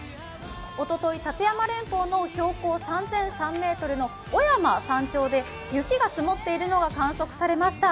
おととい、立山連峰の標高３３００ｍの雄山で雪が積もっているのが観測されました。